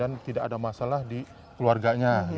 dan tidak ada masalah di keluarganya